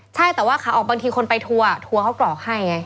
ใช่แต่ขาออกบางทีคนไปทัวร์เขากรอกให้ไง